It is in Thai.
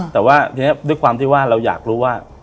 แต่ว่าด้วยความที่ว่าเราอยากรู้ว่า